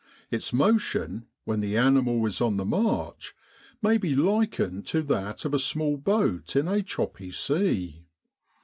Its motion, when the animal is on the march, may be likened to that of a small boat in a choppy sea.